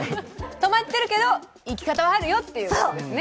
とまっているけど行き方はあるよってことですね。